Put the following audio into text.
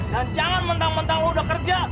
dan jangan mentah mentah lo udah kerja